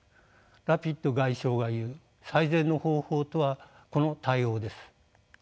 ラピド外相が言う最善の方法とはこの対応です。